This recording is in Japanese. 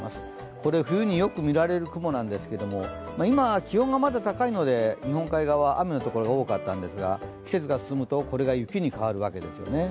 これ、冬によく見られる雲なんですが、今まだ気温が高いので日本海側、雨のところが多かったんですが季節が進むと、これが雪に変わるわけです。